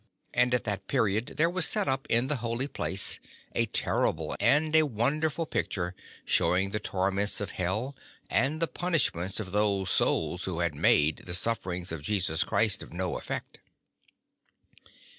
And at that period there was set up in the holy place a terrible and a wonderful picture showing the tor ments of hell, and the punishment of those souls who had made the sufferings of Jesus Christ of no effect.